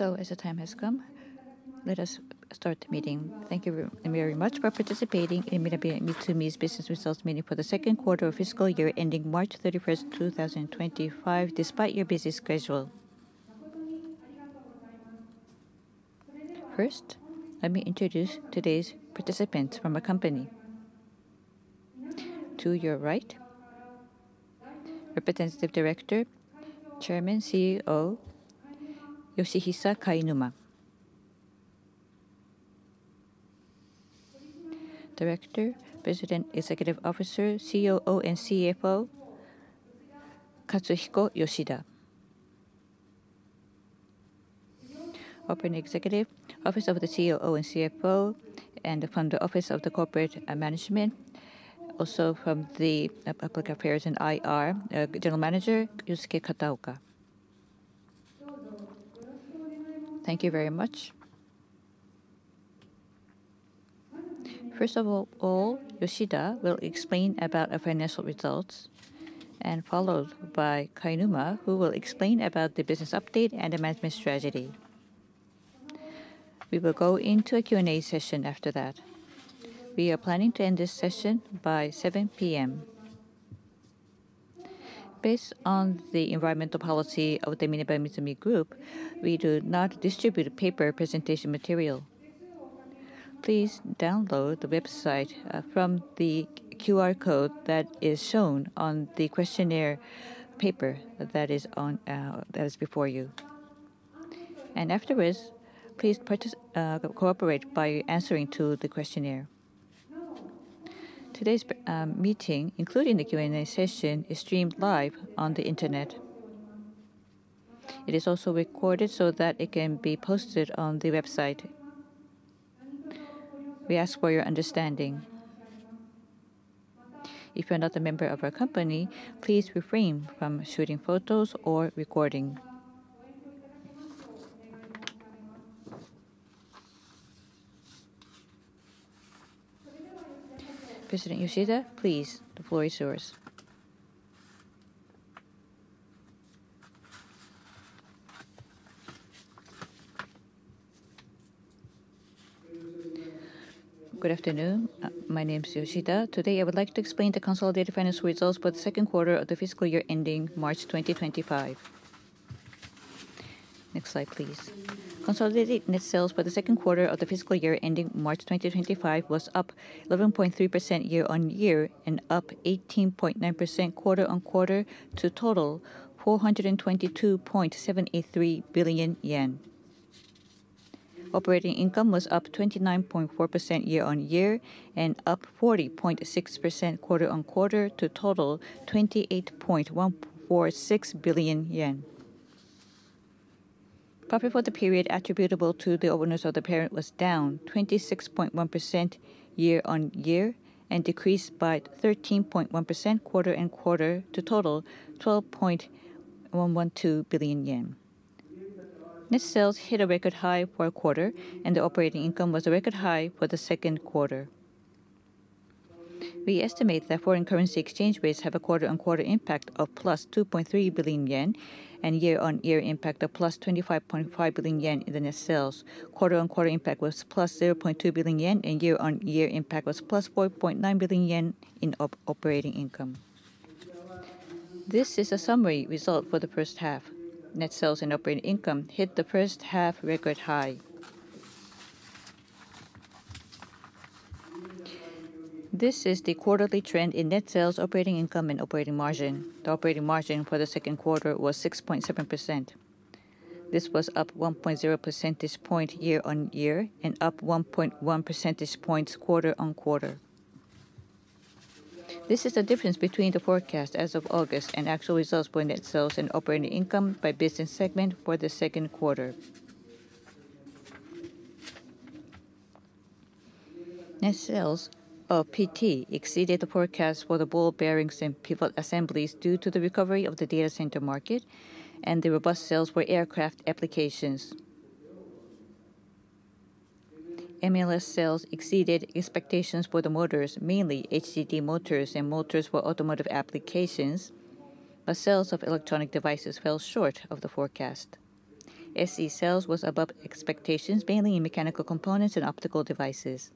As the time has come, let us start the meeting. Thank you very much for participating in MinebeaMitsumi's business results meeting for the second quarter of fiscal year ending March 31, 2025, despite your busy schedule. First, let me introduce today's participants from my company. To your right, Representative Director, Chairman, CEO Yoshihisa Kainuma. Director, President, Executive Officer, COO, and CFO Katsuhiko Yoshida. Operating Executive, Office of the COO and CFO, and from the Office of the Corporate Management, also from the Public Affairs and IR, General Manager Yusuke Kataoka. Thank you very much. First of all, Yoshida will explain about our financial results, followed by Kainuma, who will explain about the business update and the management strategy. We will go into a Q&A session after that. We are planning to end this session by 7:00 P.M.Based on the environmental policy of the MinebeaMitsumi Group, we do not distribute paper presentation material. Please download the website from the QR code that is shown on the questionnaire paper that is before you, and afterwards, please cooperate by answering the questionnaire. Today's meeting, including the Q&A session, is streamed live on the internet. It is also recorded so that it can be posted on the website. We ask for your understanding. If you're not a member of our company, please refrain from shooting photos or recording. President Yoshida, please, the floor is yours. Good afternoon. My name is Yoshida. Today, I would like to explain the consolidated financial results for the second quarter of the fiscal year ending March 2025. Next slide, please. Consolidated net sales for the second quarter of the fiscal year ending March 2025 was up 11.3% year-on-year and up 18.9% quarter-on-quarter to a total of 422.783 billion yen. Operating income was up 29.4% year-on-year and up 40.6% quarter-on-quarter to a total of 28.146 billion yen. Profit for the period attributable to the owners of the parent was down 26.1% year-on-year and decreased by 13.1% quarter-on-quarter to a total of 12.112 billion yen. Net sales hit a record high for a quarter, and the operating income was a record high for the second quarter. We estimate that foreign currency exchange rates have a quarter-on-quarter impact of plus 2.3 billion yen and year-on-year impact of plus 25.5 billion yen in the net sales. Quarter-on-quarter impact was plus 0.2 billion yen, and year-on-year impact was plus 4.9 billion yen in operating income. This is a summary result for the first half. Net sales and operating income hit the first half record high. This is the quarterly trend in net sales, operating income, and operating margin. The operating margin for the second quarter was 6.7%. This was up 1.0 percentage points year-on-year and up 1.1 percentage points quarter-on-quarter. This is the difference between the forecast as of August and actual results for net sales and operating income by business segment for the second quarter. Net sales of PT exceeded the forecast for the ball bearings and pivot assemblies due to the recovery of the data center market and the robust sales for aircraft applications. MLS sales exceeded expectations for the motors, mainly HDD motors and motors for automotive applications, but sales of electronic devices fell short of the forecast. SE sales was above expectations, mainly in mechanical components and optical devices.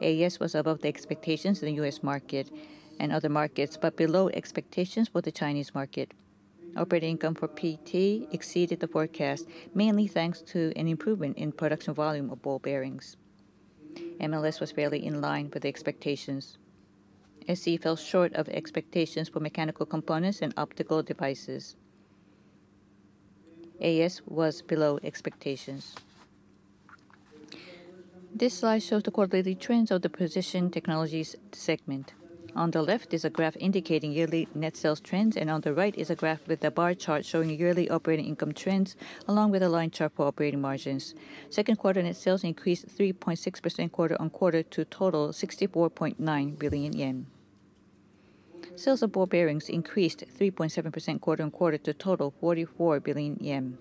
AS was above the expectations in the U.S. market and other markets, but below expectations for the Chinese market. Operating income for PT exceeded the forecast, mainly thanks to an improvement in production volume of ball bearings. MLS was fairly in line with expectations. SE fell short of expectations for mechanical components and optical devices. AS was below expectations. This slide shows the quarterly trends of the Precision Technologies segment. On the left is a graph indicating yearly net sales trends, and on the right is a graph with a bar chart showing yearly operating income trends, along with a line chart for operating margins. Second quarter net sales increased 3.6% quarter-on-quarter to a total of 64.9 billion yen. Sales of ball bearings increased 3.7% quarter-on-quarter to a total of 44 billion yen.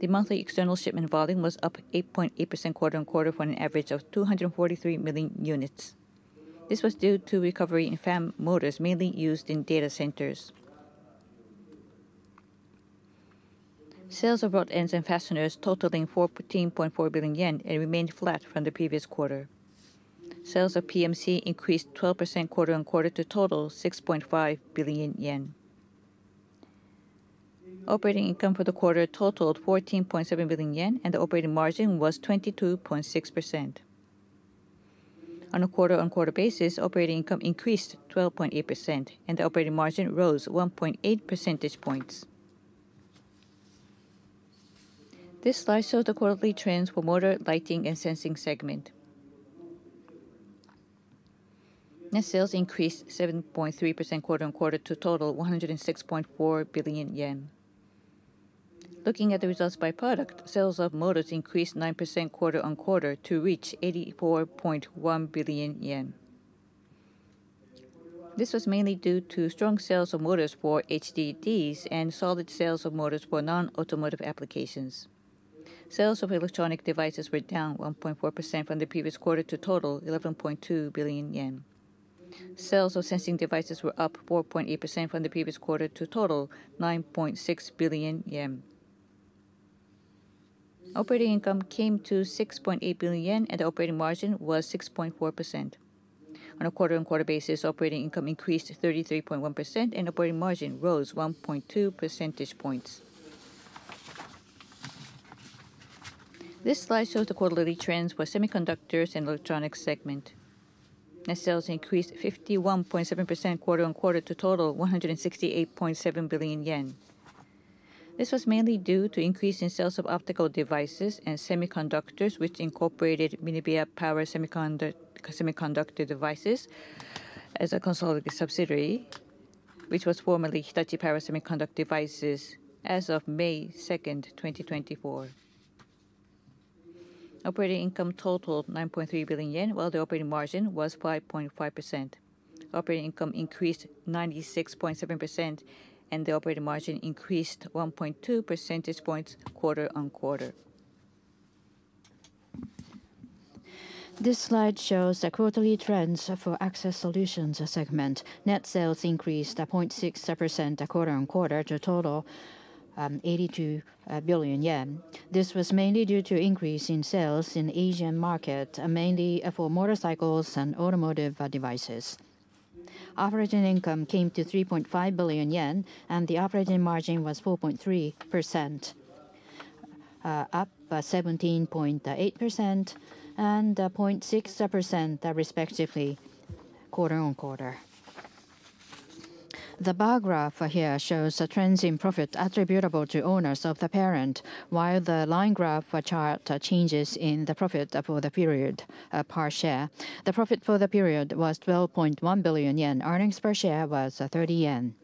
The monthly external shipment volume was up 8.8% quarter-on-quarter for an average of 243 million units. This was due to recovery in fan motors, mainly used in data centers. Sales of rod ends and fasteners totaling 14.4 billion yen remained flat from the previous quarter. Sales of PMC increased 12% quarter-on-quarter to a total of 6.5 billion yen. Operating income for the quarter totaled 14.7 billion yen, and the operating margin was 22.6%. On a quarter-on-quarter basis, operating income increased 12.8%, and the operating margin rose 1.8 percentage points. This slide shows the quarterly trends for motor, lighting, and sensing segment. Net sales increased 7.3% quarter-on-quarter to a total of 106.4 billion yen. Looking at the results by product, sales of motors increased 9% quarter-on-quarter to reach 84.1 billion yen. This was mainly due to strong sales of motors for HDDs and solid sales of motors for non-automotive applications. Sales of electronic devices were down 1.4% from the previous quarter to a total of 11.2 billion yen. Sales of sensing devices were up 4.8% from the previous quarter to a total of 9.6 billion yen. Operating income came to 6.8 billion yen, and the operating margin was 6.4%. On a quarter-on-quarter basis, operating income increased 33.1%, and the operating margin rose 1.2 percentage points. This slide shows the quarterly trends for Semiconductors and Electronics segment. Net sales increased 51.7% quarter-on-quarter to a total of 168.7 billion yen. This was mainly due to an increase in sales of optical devices and semiconductors, which incorporated Minebea Power Semiconductor Device as a consolidated subsidiary, which was formerly Hitachi Power Semiconductor Device as of May 2, 2024. Operating income totaled 9.3 billion yen, while the operating margin was 5.5%. Operating income increased 96.7%, and the operating margin increased 1.2 percentage points quarter-on-quarter. This slide shows the quarterly trends for Access Solutions segment. Net sales increased 0.6% quarter-on-quarter to a total of 82 billion yen. This was mainly due to an increase in sales in the Asian market, mainly for motorcycles and automotive devices. Operating income came to 3.5 billion yen, and the operating margin was 4.3%, up 17.8% and 0.6% respectively quarter-on-quarter. The bar graph here shows the trends in profit attributable to owners of the parent, while the line graph chart changes in the profit for the period per share. The profit for the period was 12.1 billion yen. Earnings per share was 30 yen.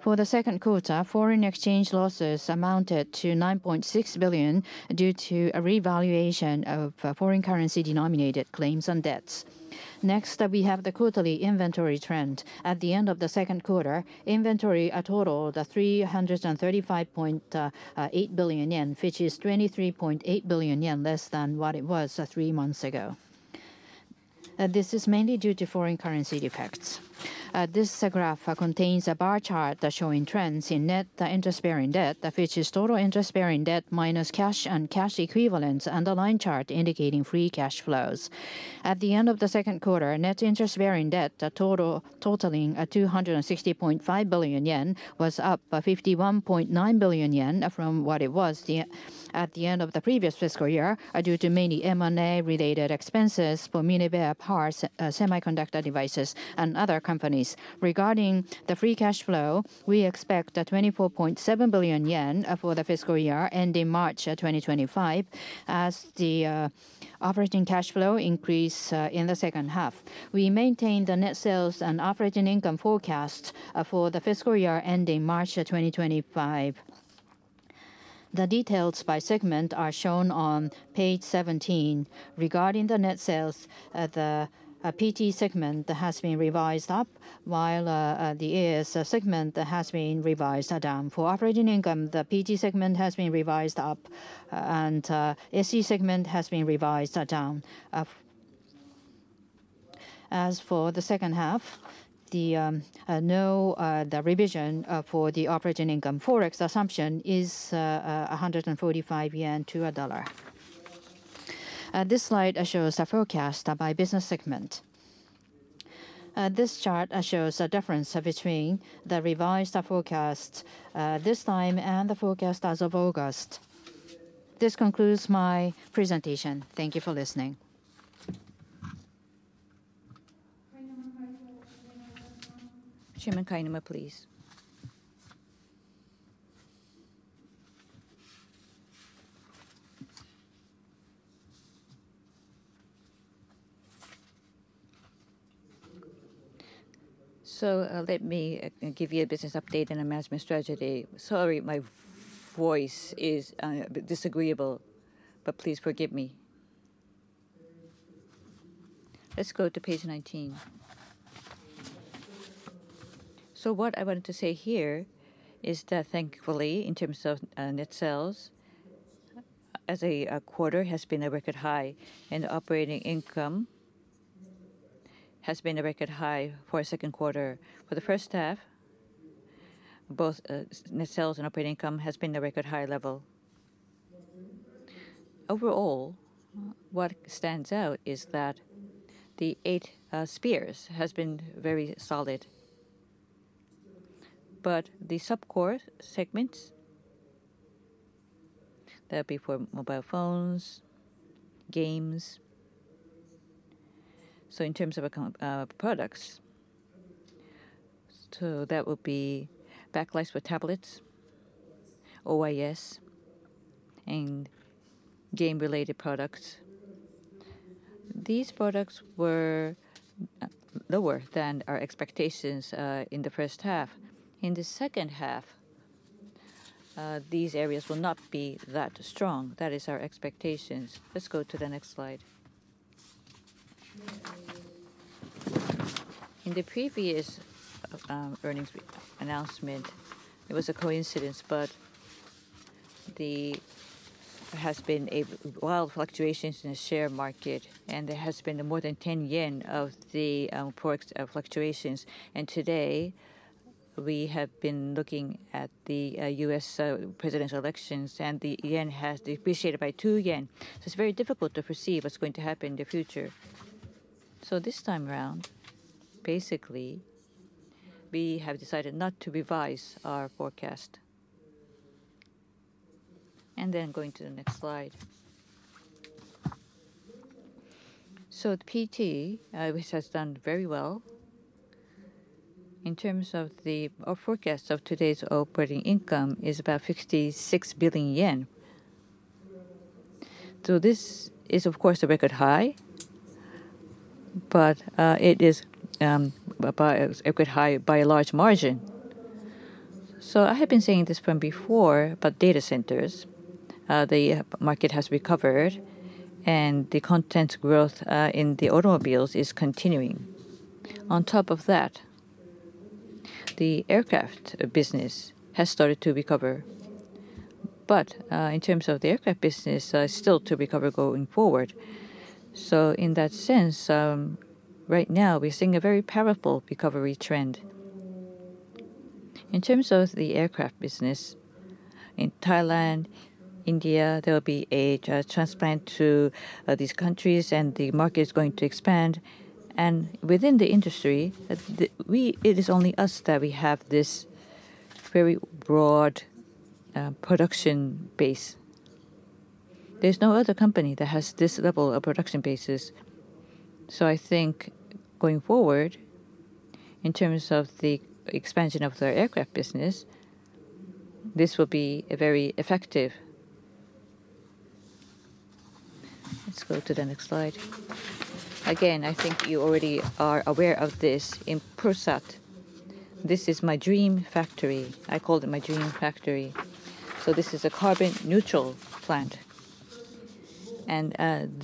For the second quarter, foreign exchange losses amounted to 9.6 billion due to a revaluation of foreign currency-denominated claims and debts. Next, we have the quarterly inventory trend. At the end of the second quarter, inventory totaled 335.8 billion yen, which is 23.8 billion yen less than what it was three months ago. This is mainly due to foreign currency effects. This graph contains a bar chart showing trends in net interest-bearing debt, which is total interest-bearing debt minus cash and cash equivalents, and a line chart indicating free cash flows. At the end of the second quarter, net interest-bearing debt totaling 260.5 billion yen was up 51.9 billion yen from what it was at the end of the previous fiscal year due to mainly M&A-related expenses for Minebea Power Semiconductor Device and other companies. Regarding the free cash flow, we expect 24.7 billion yen for the fiscal year ending March 2025, as the operating cash flow increased in the second half. We maintain the net sales and operating income forecast for the fiscal year ending March 2025. The details by segment are shown on page 17. Regarding the net sales, the PT segment has been revised up, while the AS segment has been revised down. For operating income, the PT segment has been revised up, and the SE segment has been revised down. As for the second half, the revision for the operating income forex assumption is ¥145 to $1. This slide shows a forecast by business segment. This chart shows the difference between the revised forecast this time and the forecast as of August. This concludes my presentation. Thank you for listening. Chairman Kainuma, please. So let me give you a business update and a management strategy. Sorry, my voice is disagreeable, but please forgive me. Let's go to page 19. So what I wanted to say here is that, thankfully, in terms of net sales, as a quarter, has been a record high, and operating income has been a record high for the second quarter. For the first half, both net sales and operating income have been at a record high level. Overall, what stands out is that the AS has been very solid, but the Sub-Core segments, that would be for mobile phones, games, so in terms of products, so that would be backlights for tablets, OIS, and game-related products. These products were lower than our expectations in the first half. In the second half, these areas will not be that strong. That is our expectation. Let's go to the next slide. In the previous earnings announcement, it was a coincidence, but there has been wild fluctuations in the share market, and there has been more than 10 yen of the forex fluctuations, and today, we have been looking at the U.S. presidential elections, and the yen has depreciated by two JPY, so it's very difficult to foresee what's going to happen in the future, so this time around, basically, we have decided not to revise our forecast, and then going to the next slide, so PT, which has done very well in terms of the forecast of today's operating income, is about 56 billion yen, so this is, of course, a record high, but it is a record high by a large margin, so I have been saying this from before, but data centers, the market has recovered, and the constant growth in the automobiles is continuing. On top of that, the aircraft business has started to recover, but in terms of the aircraft business, still to recover going forward. So in that sense, right now, we're seeing a very powerful recovery trend. In terms of the aircraft business, in Thailand, India, there will be a transfer to these countries, and the market is going to expand. And within the industry, it is only us that we have this very broad production base. There's no other company that has this level of production bases. So I think going forward, in terms of the expansion of their aircraft business, this will be very effective. Let's go to the next slide. Again, I think you already are aware of this in the past. This is my dream factory. I call it my dream factory. So this is a carbon-neutral plant, and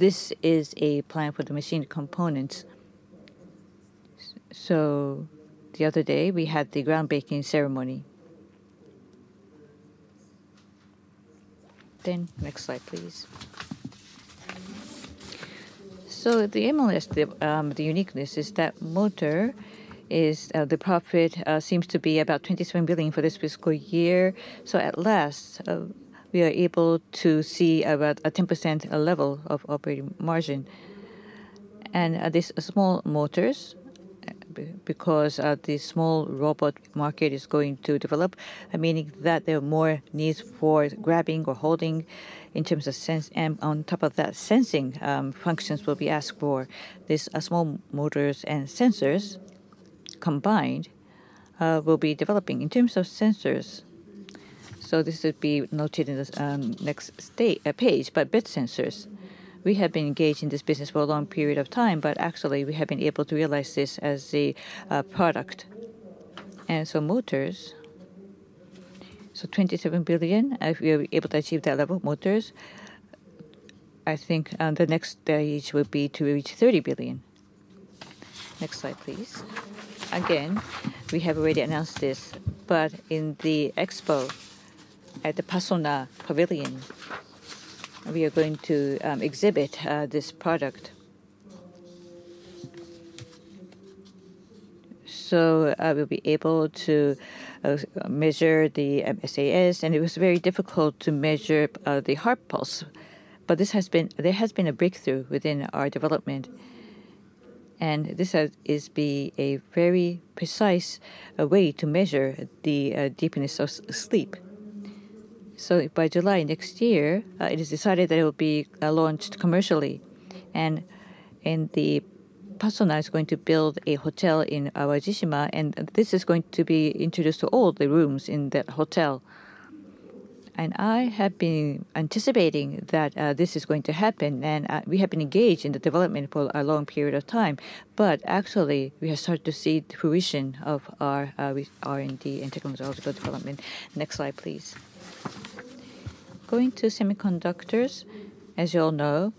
this is a plant for the machined components. So the other day, we had the groundbreaking ceremony. Then next slide, please. So the MLS, the uniqueness is that motor is the profit seems to be about 27 billion for this fiscal year. So at last, we are able to see about a 10% level of operating margin. And these small motors, because the small robot market is going to develop, meaning that there are more needs for grabbing or holding in terms of sense, and on top of that, sensing functions will be asked for. These small motors and sensors combined will be developing in terms of sensors. So this would be noted in the next page, but bed sensors. We have been engaged in this business for a long period of time, but actually, we have been able to realize this as a product. And so, motors, so 27 billion. If we are able to achieve that level of motors, I think the next stage would be to reach 30 billion. Next slide, please. Again, we have already announced this, but in the expo at the Pasona Pavilion, we are going to exhibit this product. So, we'll be able to measure the SAS, and it was very difficult to measure the heart pulse, but there has been a breakthrough within our development. And this is a very precise way to measure the deepness of sleep. So, by July next year, it is decided that it will be launched commercially, and the Pasona is going to build a hotel in Awajishima, and this is going to be introduced to all the rooms in that hotel. I have been anticipating that this is going to happen, and we have been engaged in the development for a long period of time, but actually, we have started to see the fruition of our R&D and technological development. Next slide, please. Going to semiconductors, as you all know,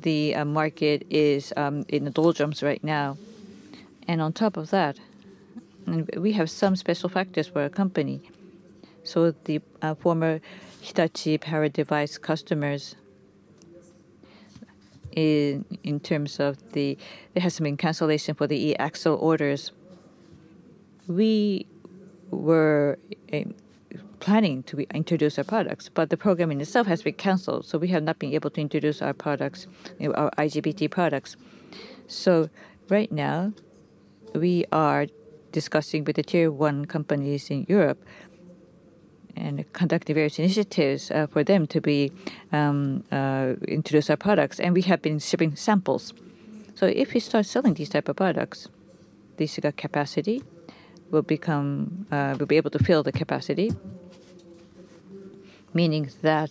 the market is in the doldrums right now. On top of that, we have some special factors for a company. The former Hitachi Power Semiconductor Device customers, in terms of the, there has been cancellation for the E-Axle orders. We were planning to introduce our products, but the program itself has been canceled, so we have not been able to introduce our products, our IGBT products. Right now, we are discussing with the Tier 1 companies in Europe and conducting various initiatives for them to introduce our products. We have been shipping samples. So if we start selling these types of products, this capacity will become. We'll be able to fill the capacity, meaning that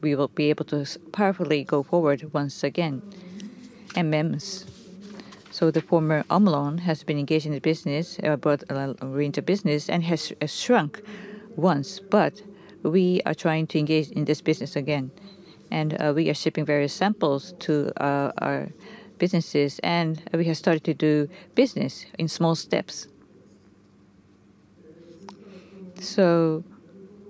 we will be able to powerfully go forward once again MEMS. The former Omron has been engaged in the business, brought a range of business, and has shrunk once, but we are trying to engage in this business again. We are shipping various samples to our businesses, and we have started to do business in small steps.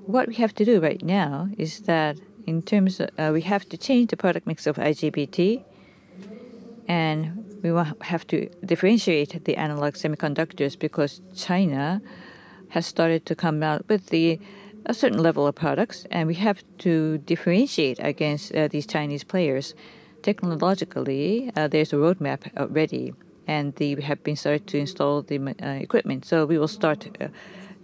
What we have to do right now is that in terms of, we have to change the product mix of IGBT, and we have to differentiate the analog semiconductors because China has started to come out with a certain level of products, and we have to differentiate against these Chinese players. Technologically, there's a roadmap already, and we have been started to install the equipment, so we will start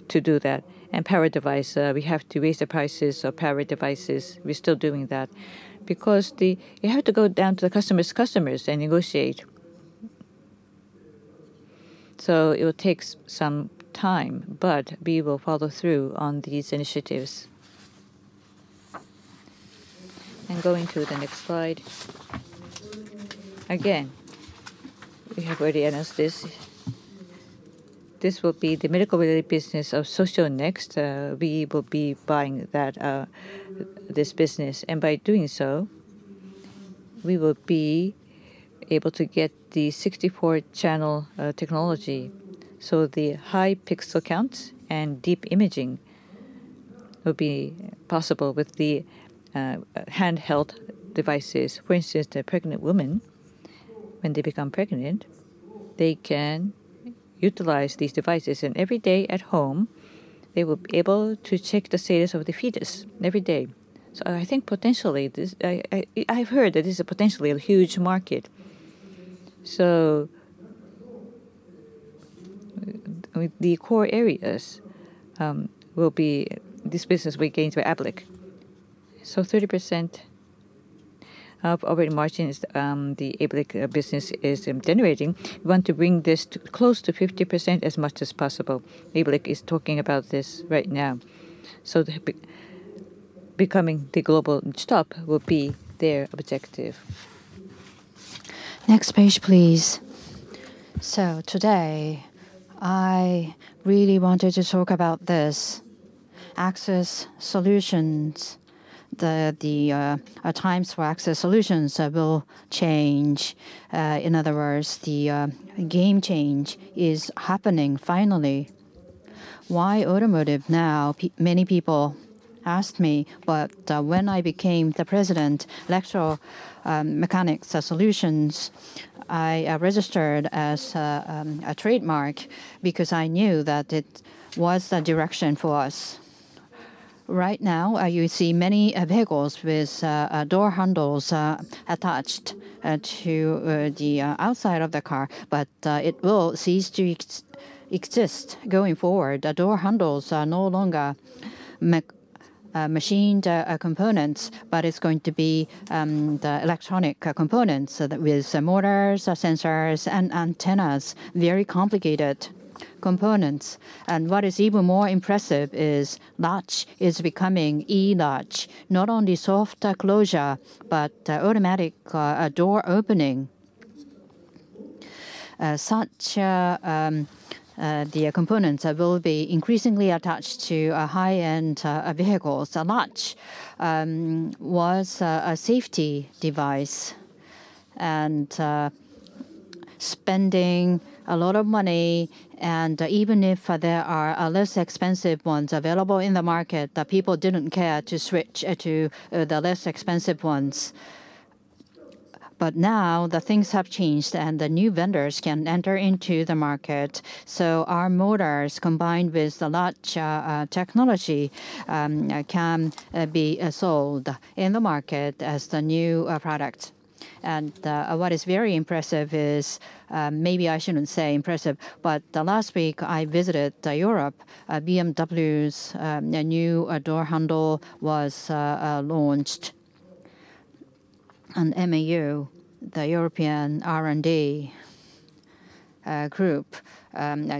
to do that, and power device, we have to raise the prices of power devices. We're still doing that because you have to go down to the customer's customers and negotiate, so it will take some time, but we will follow through on these initiatives, and going to the next slide. Again, we have already announced this. This will be the medical-related business of Socionext. We will be buying this business, and by doing so, we will be able to get the 64-channel technology, so the high pixel count and deep imaging will be possible with the handheld devices. For instance, the pregnant women, when they become pregnant, they can utilize these devices, and every day at home, they will be able to check the status of the fetus every day. I think potentially, I've heard that this is potentially a huge market. The core areas will be this business will gain to ABLIC. So 30% of operating margin is the ABLIC business is generating. We want to bring this close to 50% as much as possible. ABLIC is talking about this right now. So becoming the global top will be their objective. Next page, please. Today, I really wanted to talk about this. Access Solutions, the times for Access Solutions will change. In other words, the game change is happening finally. Why automotive now? Many people asked me, but when I became the president, electrical mechanics solutions, I registered as a trademark because I knew that it was the direction for us. Right now, you see many vehicles with door handles attached to the outside of the car, but it will cease to exist going forward. The door handles are no longer machined components, but it's going to be the electronic components with motors, sensors, and antennas. Very complicated components. And what is even more impressive is latch is becoming E-latch, not only soft closure, but automatic door opening. Such components will be increasingly attached to high-end vehicles. A latch was a safety device and spending a lot of money. And even if there are less expensive ones available in the market, people didn't care to switch to the less expensive ones. But now the things have changed, and the new vendors can enter into the market. So our motors, combined with the latch technology, can be sold in the market as the new product. And what is very impressive is, maybe I shouldn't say impressive, but last week, I visited Europe. BMW's new door handle was launched. MAU, the European R&D group,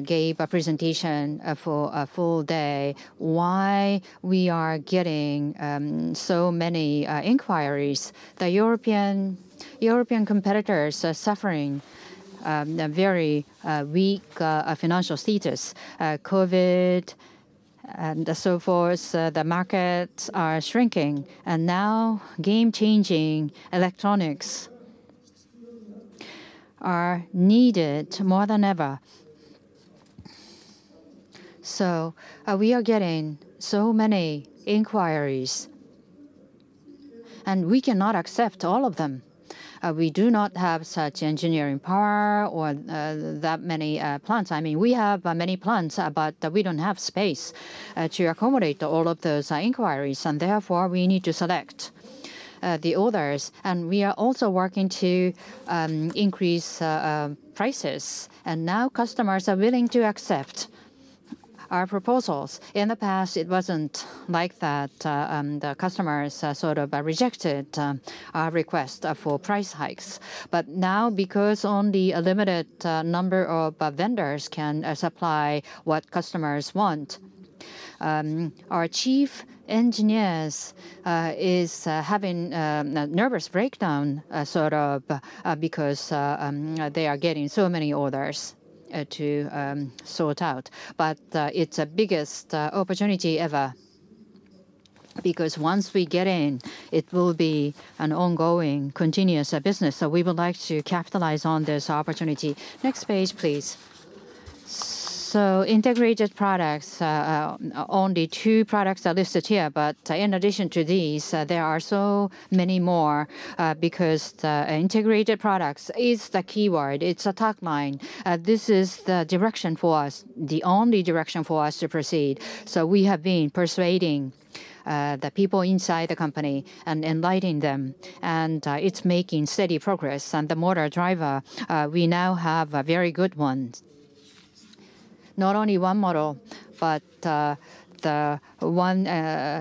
gave a presentation for a full day. Why we are getting so many inquiries. The European competitors are suffering a very weak financial status. COVID and so forth, the markets are shrinking. Now, game-changing electronics are needed more than ever. We are getting so many inquiries, and we cannot accept all of them. We do not have such engineering power or that many plants. I mean, we have many plants, but we don't have space to accommodate all of those inquiries. Therefore, we need to select the others. We are also working to increase prices. Now customers are willing to accept our proposals. In the past, it wasn't like that. The customers sort of rejected our request for price hikes. But now, because only a limited number of vendors can supply what customers want, our chief engineers are having a nervous breakdown sort of because they are getting so many orders to sort out. But it's the biggest opportunity ever because once we get in, it will be an ongoing continuous business. So we would like to capitalize on this opportunity. Next page, please. So integrated products, only two products are listed here, but in addition to these, there are so many more because the integrated products is the keyword. It's a tagline. This is the direction for us, the only direction for us to proceed. So we have been persuading the people inside the company and enlightening them. And it's making steady progress. And the motor driver, we now have a very good one. Not only one model, but the one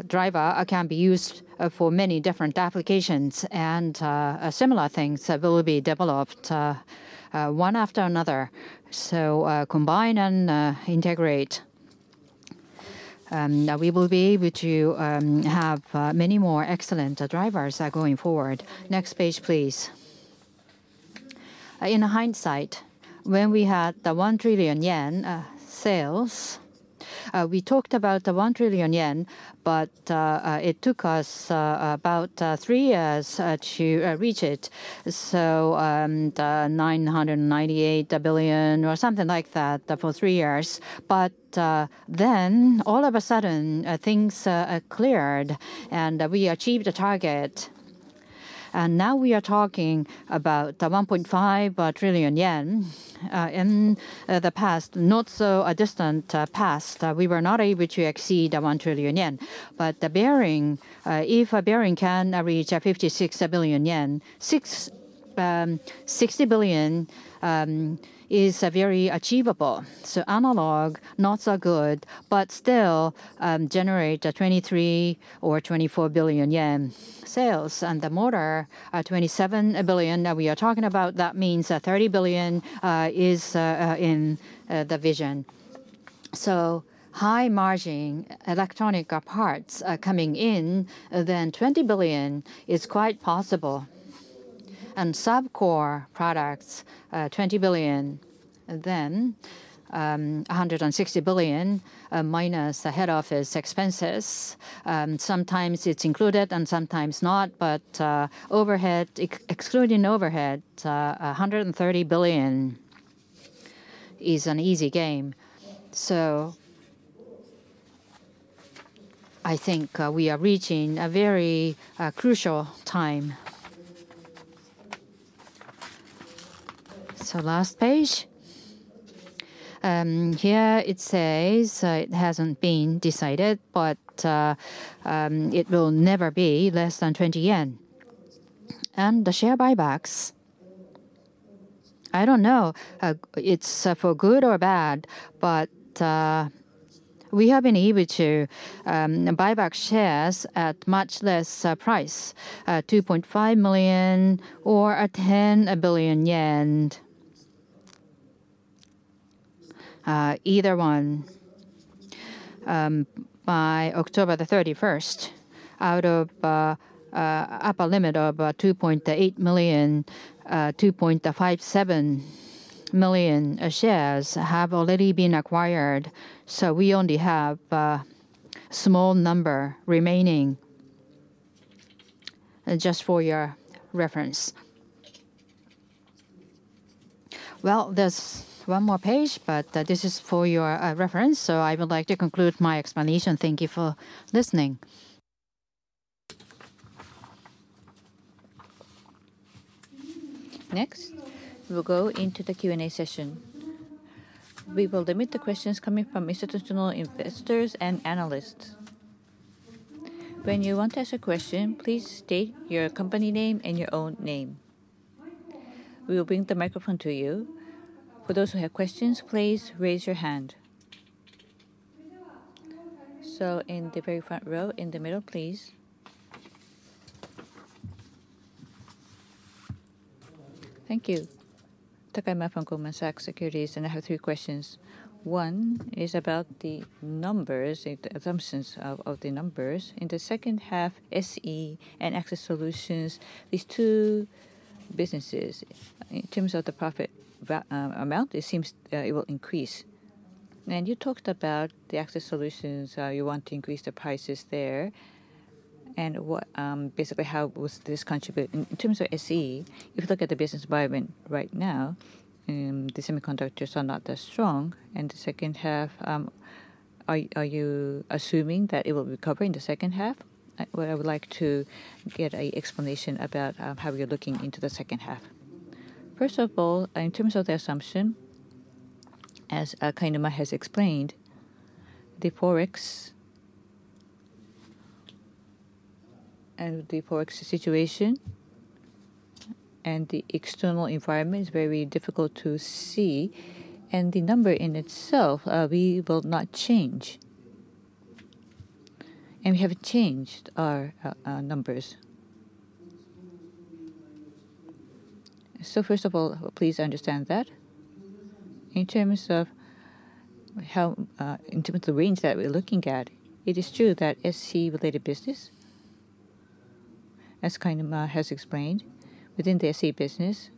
driver can be used for many different applications. Similar things will be developed one after another. Combine and integrate. We will be able to have many more excellent drivers going forward. Next page, please. In hindsight, when we had the one trillion JPY sales, we talked about the one trillion JPY, but it took us about three years to reach it. So 998 billion or something like that for three years. But then all of a sudden, things cleared and we achieved a target. Now we are talking about the 1.5 trillion yen in the not so distant past. We were not able to exceed the one trillion JPY. But the bearing, if a bearing can reach 56 billion yen, 60 billion is very achievable. So analog, not so good, but still generate 23 billion or 24 billion yen sales. The motor, 27 billion that we are talking about, that means 30 billion is in the vision. High margin electronic parts coming in, then 20 billion is quite possible. Sub-Core products, 20 billion, then 160 billion minus head office expenses. Sometimes it's included and sometimes not, but overhead, excluding overhead, 130 billion is an easy game. I think we are reaching a very crucial time. Last page. Here it says it hasn't been decided, but it will never be less than 20 yen. The share buybacks, I don't know if it's for good or bad, but we have been able to buy back shares at much less price, 2.5 million or JPY 10 billion, either one. By October the 31st, out of upper limit of 2.8 million, 2.57 million shares have already been acquired. We only have a small number remaining. Just for your reference. Well, there's one more page, but this is for your reference. So I would like to conclude my explanation. Thank you for listening. Next, we'll go into the Q&A session. We will limit the questions coming from institutional investors and analysts. When you want to ask a question, please state your company name and your own name. We will bring the microphone to you. For those who have questions, please raise your hand. So in the very front row, in the middle, please. Thank you. Takayama from Goldman Sachs, and I have three questions. One is about the numbers, the assumptions of the numbers. In the second half, SE and Access Solutions, these two businesses, in terms of the profit amount, it seems it will increase. And you talked about the Access Solutions, you want to increase the prices there. Basically, how will this contribute? In terms of SE, if you look at the business environment right now, the semiconductors are not that strong. The second half, are you assuming that it will recover in the second half? I would like to get an explanation about how you're looking into the second half. First of all, in terms of the assumption, as Kainuma has explained, the forex situation and the external environment is very difficult to see. The number in itself, we will not change. We haven't changed our numbers. First of all, please understand that. In terms of the range that we're looking at, it is true that SE-related business, as Kainuma has explained, within the SE business,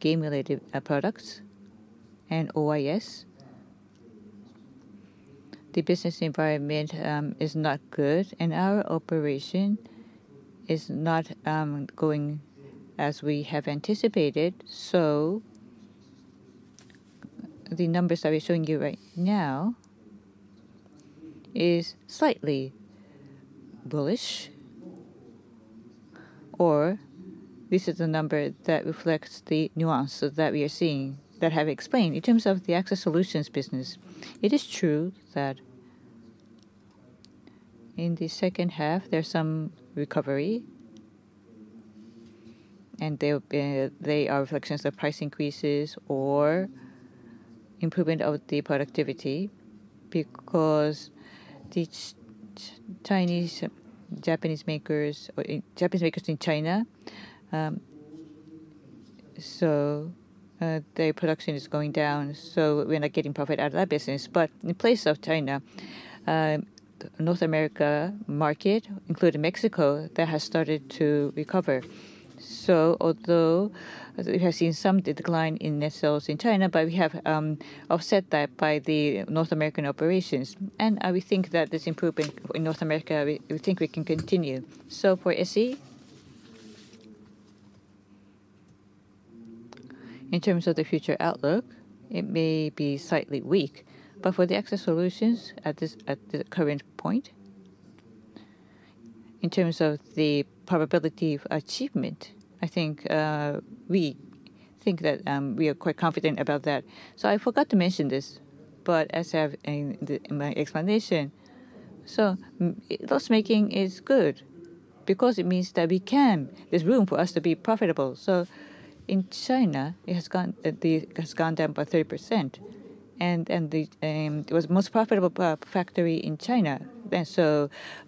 game-related products and OIS, the business environment is not good. Our operation is not going as we have anticipated. So the numbers that we're showing you right now are slightly bullish. Or this is the number that reflects the nuances that we are seeing, that I have explained. In terms of the Access Solutions business, it is true that in the second half, there's some recovery. And they are reflections of price increases or improvement of the productivity because the Chinese makers in China, so their production is going down. So we're not getting profit out of that business. But in place of China, the North America market, including Mexico, has started to recover. So although we have seen some decline in net sales in China, we have offset that by the North American operations. And we think that this improvement in North America, we think we can continue. So for SE, in terms of the future outlook, it may be slightly weak. But for the Access Solutions at the current point, in terms of the probability of achievement, I think we think that we are quite confident about that. So I forgot to mention this, but as I have in my explanation, so loss-making is good because it means that we can, there's room for us to be profitable. So in China, it has gone down by 30%. And it was the most profitable factory in China.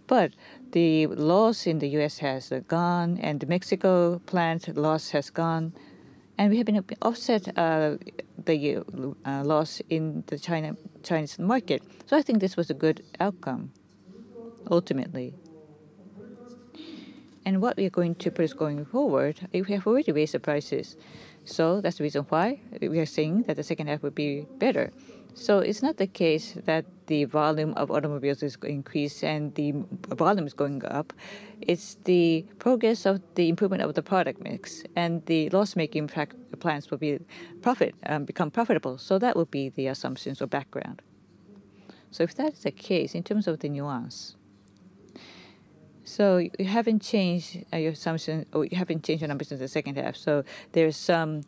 But the loss in the US has gone, and the Mexico plant loss has gone. And we have been offset the loss in the Chinese market. So I think this was a good outcome ultimately. And what we are going to put is going forward. We have already raised the prices. So that's the reason why we are seeing that the second half will be better. It's not the case that the volume of automobiles is increased and the volume is going up. It's the progress of the improvement of the product mix. The loss-making plants will become profitable. That will be the assumptions or background. If that's the case, in terms of the nuance, so you haven't changed your assumption or you haven't changed your numbers in the second half. There's some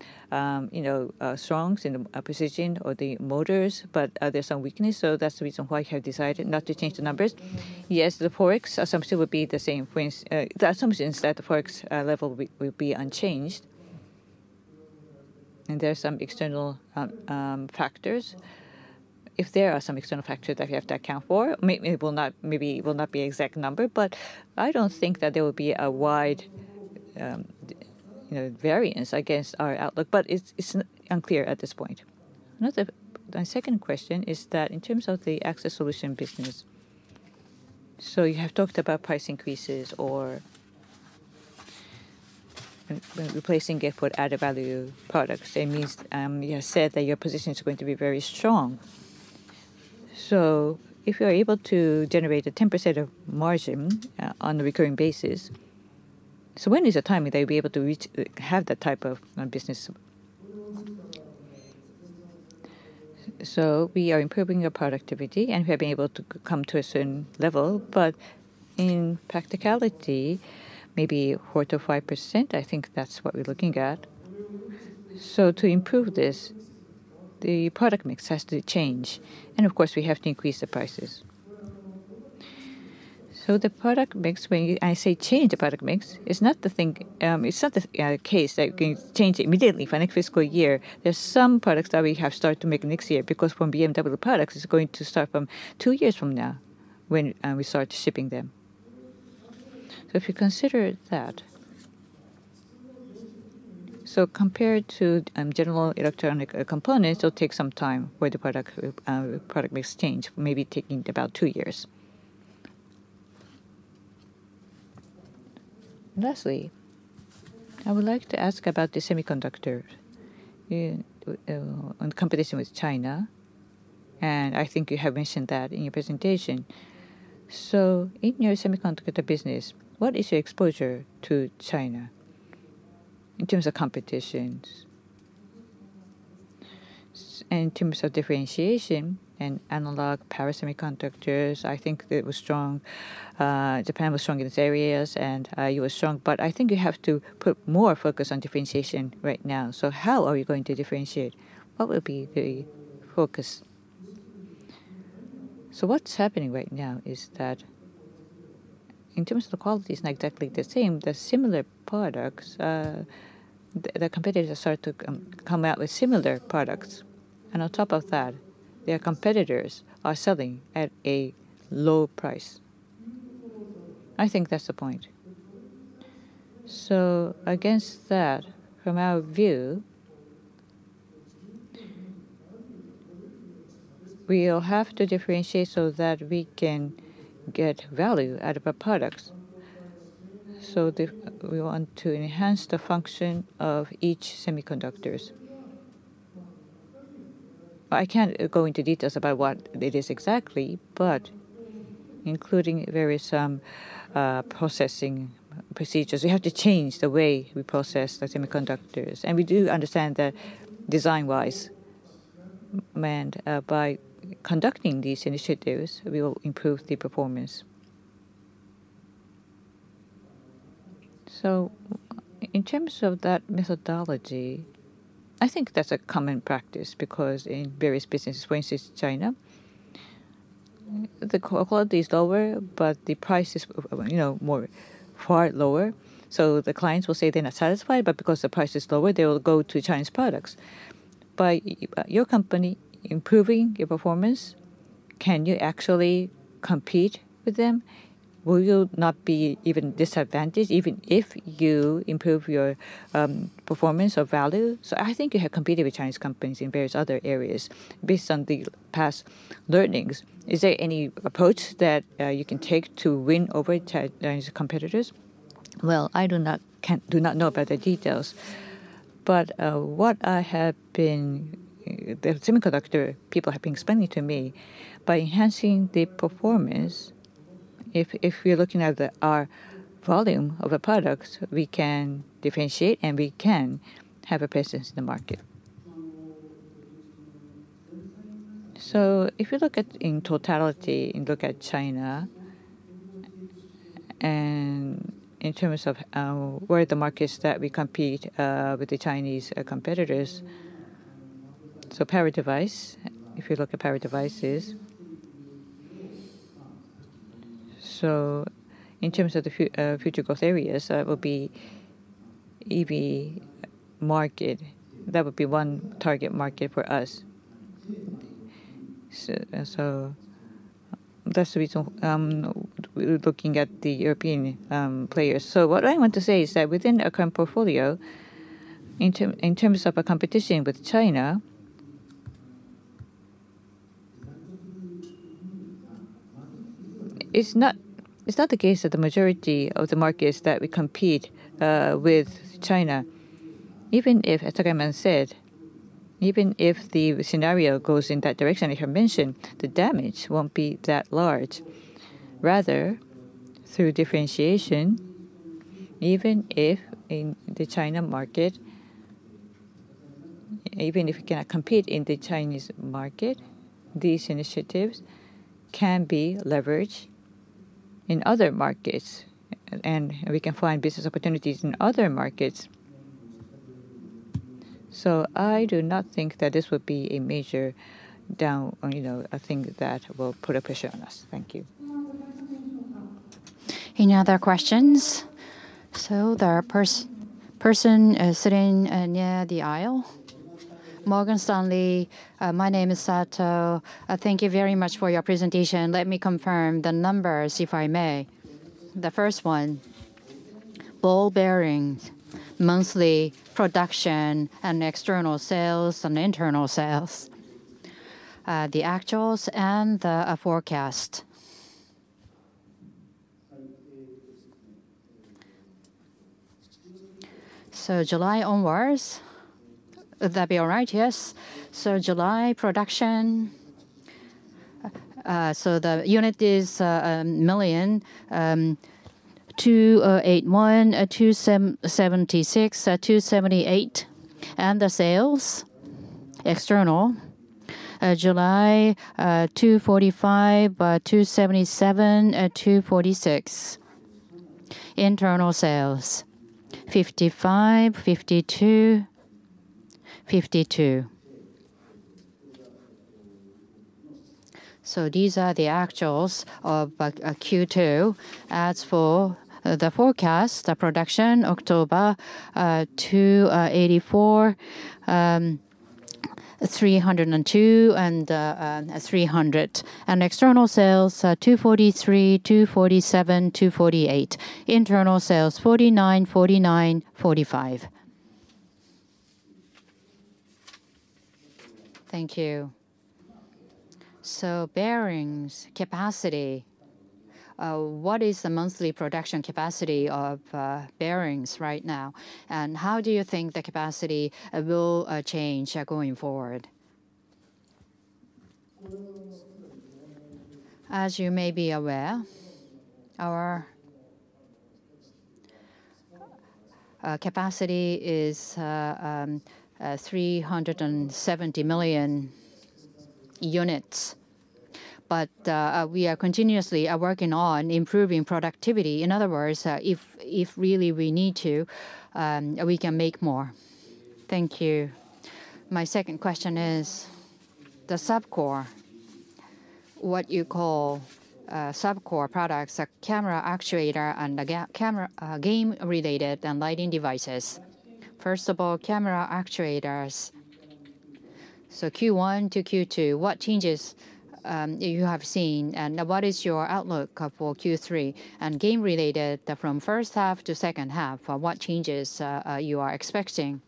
strengths in the precision or the motors, but there's some weakness. That's the reason why you have decided not to change the numbers. Yes, the forex assumption would be the same. The assumption is that the forex level will be unchanged. There are some external factors. If there are some external factors that we have to account for, maybe it will not be an exact number, but I don't think that there will be a wide variance against our outlook. But it's unclear at this point. My second question is that in terms of the Access Solutions business, so you have talked about price increases or replacing it for added value products. It means you have said that your position is going to be very strong. So if you are able to generate a 10% of margin on a recurring basis, so when is the time that you'll be able to have that type of business? So we are improving your productivity, and we have been able to come to a certain level. But in practicality, maybe 4%-5%, I think that's what we're looking at. So to improve this, the product mix has to change. And of course, we have to increase the prices. So the product mix, when I say change the product mix, it's not the case that you can change immediately for next fiscal year. There's some products that we have started to make next year because from BMW products, it's going to start from two years from now when we start shipping them. So if you consider that, so compared to general electronic components, it'll take some time for the product mix change, maybe taking about two years. Lastly, I would like to ask about the semiconductor in competition with China. And I think you have mentioned that in your presentation. So in your semiconductor business, what is your exposure to China in terms of competitions? And in terms of differentiation and analog power semiconductors, I think it was strong. Japan was strong in these areas, and you were strong. But I think you have to put more focus on differentiation right now. So how are you going to differentiate? What will be the focus? So what's happening right now is that in terms of the quality, it's not exactly the same. The similar products, the competitors start to come out with similar products. And on top of that, their competitors are selling at a low price. I think that's the point. So against that, from our view, we'll have to differentiate so that we can get value out of our products. So we want to enhance the function of each semiconductors. I can't go into details about what it is exactly, but including various processing procedures, we have to change the way we process the semiconductors. We do understand that design-wise, and by conducting these initiatives, we will improve the performance. So in terms of that methodology, I think that's a common practice because in various businesses, for instance, China, the quality is lower, but the price is far lower. So the clients will say they're not satisfied, but because the price is lower, they will go to Chinese products. But your company improving your performance, can you actually compete with them? Will you not be even disadvantaged even if you improve your performance or value? So I think you have competed with Chinese companies in various other areas based on the past learnings. Is there any approach that you can take to win over Chinese competitors? Well, I do not know about the details. But what I have been, the semiconductor people have been explaining to me, by enhancing the performance, if we're looking at our volume of our products, we can differentiate and we can have a presence in the market. So if you look at in totality, you look at China and in terms of where the market is that we compete with the Chinese competitors. So power device, if you look at power devices. So in terms of the future growth areas, that will be EV market. That would be one target market for us. So that's the reason we're looking at the European players. So what I want to say is that within our current portfolio, in terms of our competition with China, it's not the case that the majority of the market is that we compete with China. Even if, as Kainuma said, even if the scenario goes in that direction, as you mentioned, the damage won't be that large. Rather, through differentiation, even if in the China market, even if we cannot compete in the Chinese market, these initiatives can be leveraged in other markets, and we can find business opportunities in other markets. I do not think that this would be a major down, a thing that will put a pressure on us. Thank you. Any other questions? The person is sitting near the aisle. Morgan Stanley, my name is Sato. Thank you very much for your presentation. Let me confirm the numbers if I may. The first one, ball bearings, monthly production and external sales and internal sales, the actuals and the forecast. July onwards, would that be all right? Yes. July production, so the unit is million, 281, 276, 278. And the sales, external, July 245, 277, 246. Internal sales, 55, 52, 52. So these are the actuals of Q2. As for the forecast, the production, October, 284, 302, and 300. And external sales, 243, 247, 248. Internal sales, 49, 49, 45. Thank you. So bearings capacity. What is the monthly production capacity of bearings right now? And how do you think the capacity will change going forward? As you may be aware, our capacity is 370 million units. But we are continuously working on improving productivity. In other words, if really we need to, we can make more. Thank you. My second question is the Sub-Core, what you call Sub-Core products, a camera actuator and game-related and lighting devices. First of all, camera actuators. So Q1 to Q2, what changes you have seen? And what is your outlook for Q3 and game-related from first half to second half? What changes you are expecting?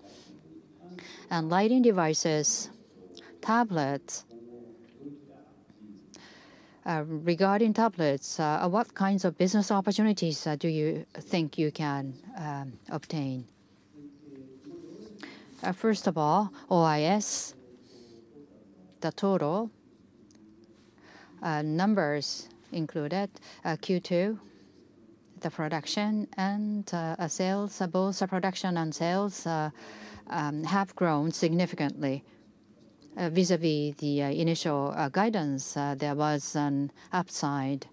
And lighting devices, tablets. Regarding tablets, what kinds of business opportunities do you think you can obtain? First of all, OIS, the total, numbers included Q2, the production, and sales. Both production and sales have grown significantly vis-à-vis the initial guidance. There was an upside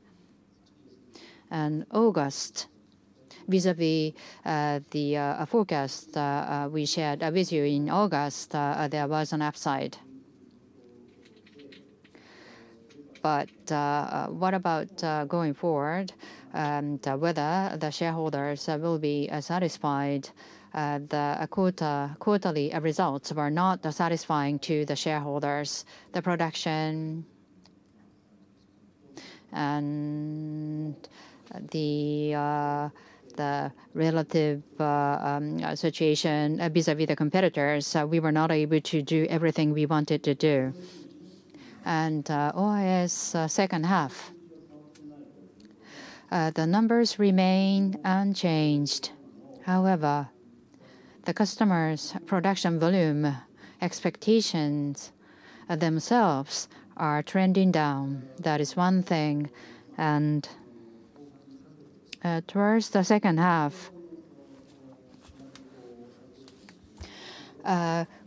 in August vis-à-vis the forecast we shared with you in August. There was an upside. But what about going forward and whether the shareholders will be satisfied? The quarterly results were not satisfying to the shareholders. The production and the relative situation vis-à-vis the competitors, we were not able to do everything we wanted to do. And OIS, second half. The numbers remain unchanged. However, the customers' production volume expectations themselves are trending down. That is one thing. Towards the second half,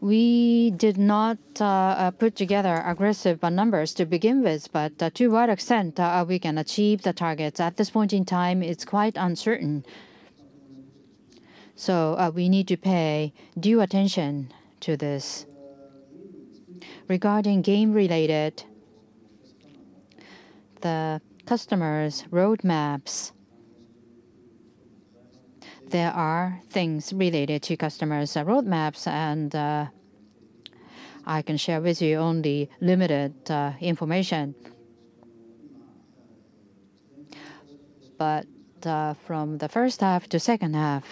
we did not put together aggressive numbers to begin with, but to what extent we can achieve the targets at this point in time, it's quite uncertain. We need to pay due attention to this. Regarding game-related, the customers' roadmaps, there are things related to customers' roadmaps, and I can share with you only limited information. From the first half to second half,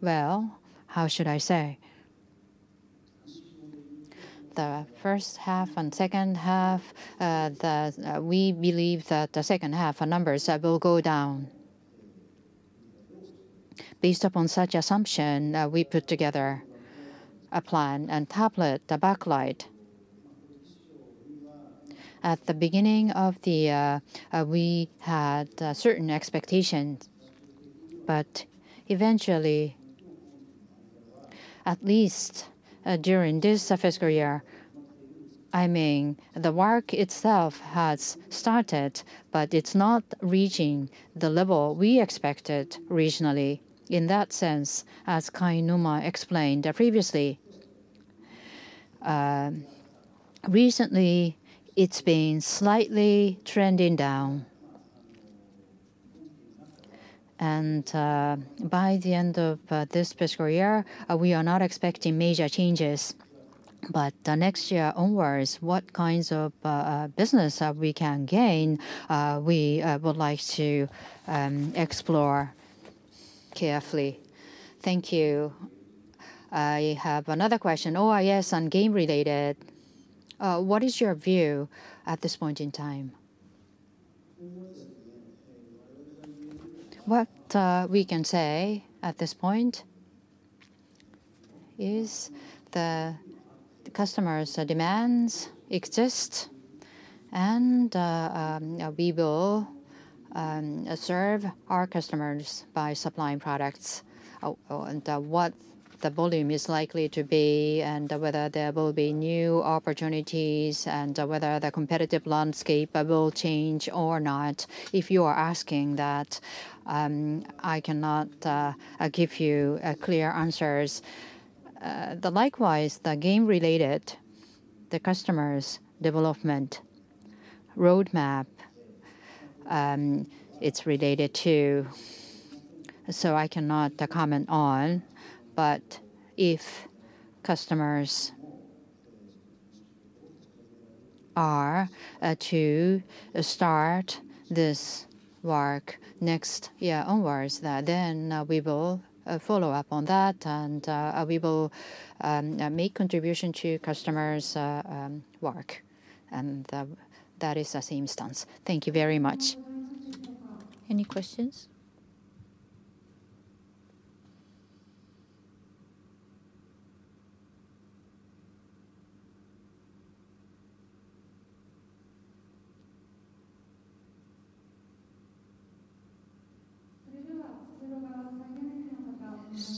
well, how should I say? The first half and second half, we believe that the second half numbers will go down. Based upon such assumption, we put together a planar tablet backlight. At the beginning, we had certain expectations, but eventually, at least during this fiscal year, I mean, the work itself has started, but it's not reaching the level we expected regionally. In that sense, as Kainuma explained previously, recently, it's been slightly trending down. By the end of this fiscal year, we are not expecting major changes. Next year onwards, what kinds of business we can gain, we would like to explore carefully. Thank you. I have another question. OIS and game-related, what is your view at this point in time? What we can say at this point is the customers' demands exist, and we will serve our customers by supplying products and what the volume is likely to be and whether there will be new opportunities and whether the competitive landscape will change or not. If you are asking that, I cannot give you clear answers. Likewise, the game-related, the customers' development roadmap, it's related to, so I cannot comment on. If customers are to start this work next year onwards, then we will follow up on that, and we will make contribution to customers' work. And that is the same stance. Thank you very much. Any questions?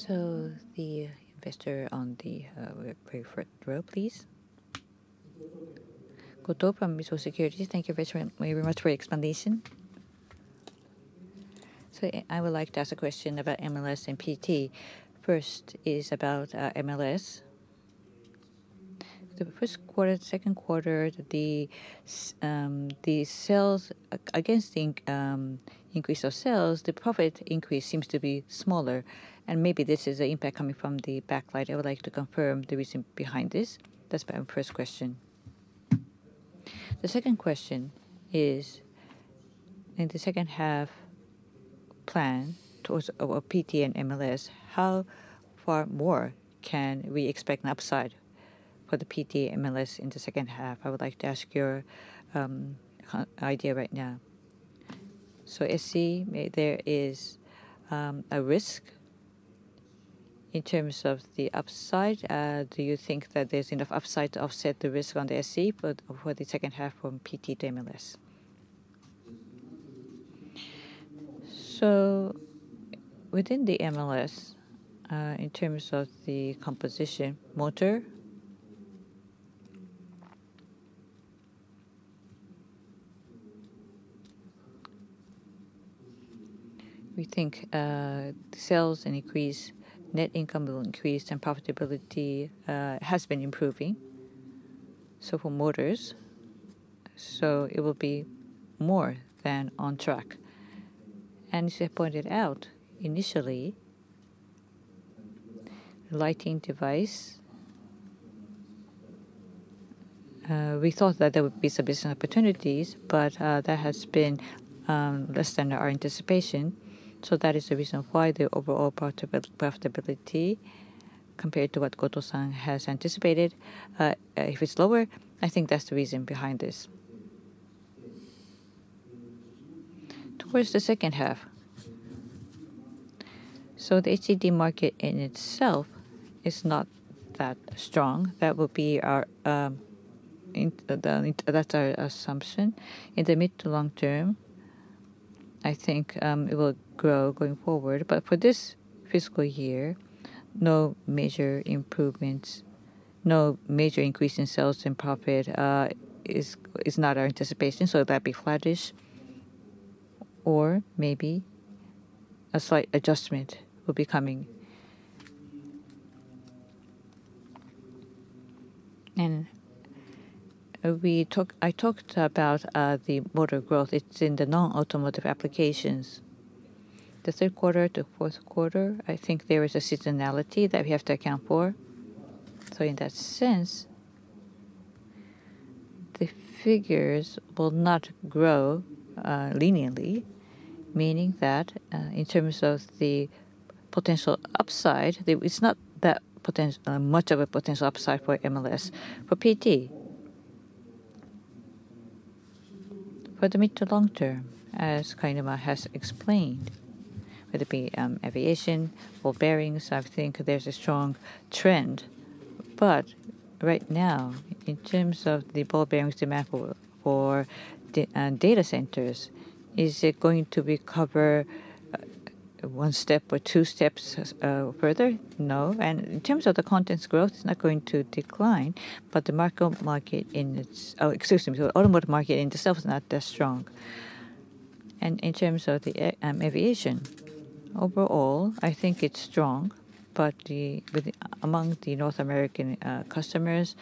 So the investor on the preferred row, please. Goto, Mizuho Securities. Thank you very much for your explanation. So I would like to ask a question about MLS and PT. First is about MLS. The first quarter, second quarter, the sales against the increase of sales, the profit increase seems to be smaller. And maybe this is the impact coming from the backlight. I would like to confirm the reason behind this. That's my first question. The second question is, in the second half plan towards PT and MLS, how far more can we expect an upside for the PT, MLS in the second half? I would like to ask your idea right now. So SE, there is a risk in terms of the upside. Do you think that there's enough upside to offset the risk on the SE for the second half from PT to MLS? So within the MLS, in terms of the composition, motor, we think sales will increase, net income will increase, and profitability has been improving. So for motors, so it will be more than on track. And as I pointed out initially, lighting device, we thought that there would be some business opportunities, but that has been less than our anticipation. So that is the reason why the overall profitability compared to what Goto-san has anticipated, if it's lower, I think that's the reason behind this. Towards the second half, so the HDD market in itself is not that strong. That will be our assumption. In the mid to long term, I think it will grow going forward. But for this fiscal year, no major improvements, no major increase in sales and profit, is not our anticipation. So that'd be flattish, or maybe a slight adjustment will be coming. And I talked about the motor growth. It's in the non-automotive applications. The third quarter to fourth quarter, I think there is a seasonality that we have to account for. So in that sense, the figures will not grow linearly, meaning that in terms of the potential upside, it's not that much of a potential upside for MLS, for PT. For the mid to long term, as Kainuma has explained, whether it be aviation or bearings, I think there's a strong trend. But right now, in terms of the ball bearings demand for data centers, is it going to recover one step or two steps further? No. And in terms of the contents growth, it's not going to decline. But the market in its, excuse me, the automotive market in itself is not that strong. And in terms of the aviation, overall, I think it's strong. But among the North American customers,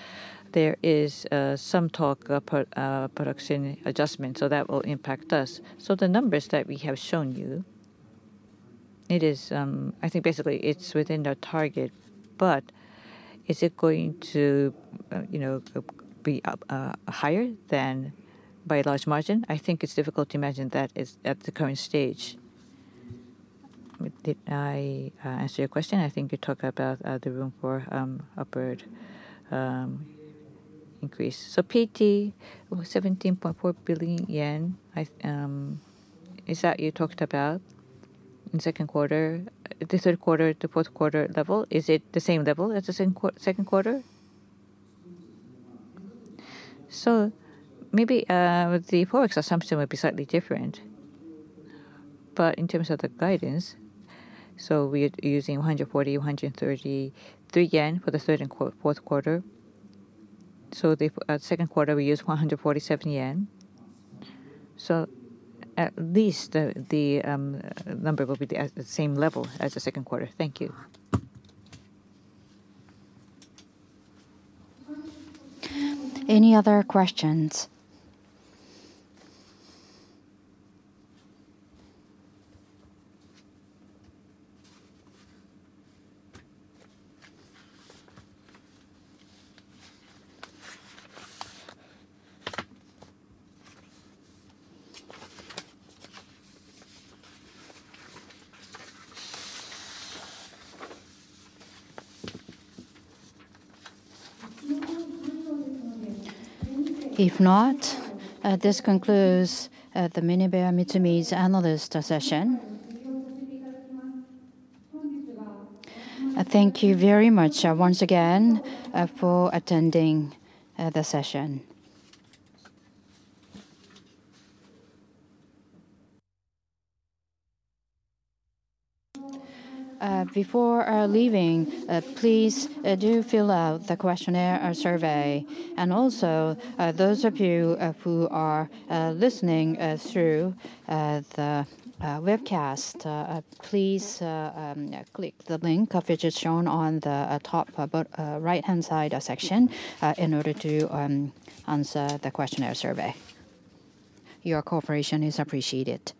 there is some talk of production adjustment, so that will impact us. So the numbers that we have shown you, I think basically it's within our target. But is it going to be higher than by a large margin? I think it's difficult to imagine that at the current stage. Did I answer your question? I think you talked about the room for upward increase. So PT, 17.4 billion yen, is that you talked about in second quarter, the third quarter, the fourth quarter level? Is it the same level as the second quarter? So maybe the forex assumption would be slightly different. In terms of the guidance, we're using 140, 133 yen for the third and fourth quarter. The second quarter, we use 147 yen. At least the number will be the same level as the second quarter. Thank you. Any other questions? If not, this concludes the MinebeaMitsumi's analyst session. Thank you very much once again for attending the session. Before leaving, please do fill out the questionnaire survey. And also, those of you who are listening through the webcast, please click the link which is shown on the top right-hand side section in order to answer the questionnaire survey. Your cooperation is appreciated.